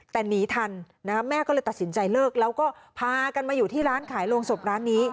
แต่หนีทันแม่ก็เลยตัดสินใจเลิกแล้วก็พากันมาอยู่ที่ร้านขายโรงศพร้านนี้